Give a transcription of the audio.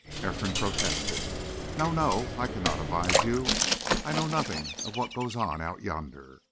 Ephraim protested. "No, no! I cannot advise you. I know nothing of what goes on out yonder.